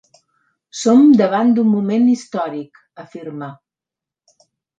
Som davant d’un moment històric, afirma.